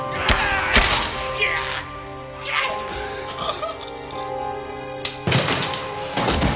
ああ。